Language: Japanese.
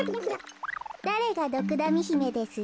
だれがドクダミひめですって？